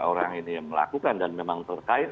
orang ini melakukan dan memang terkait